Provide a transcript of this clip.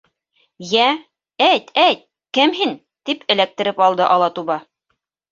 —Йә, әйт, әйт, кем һин? —тип эләктереп алды Алатуба.